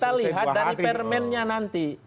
kita lihat dari permennya nanti